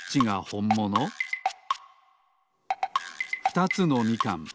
ふたつのみかん。